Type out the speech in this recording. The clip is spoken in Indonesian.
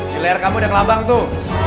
di layar kamu udah ke labang tuh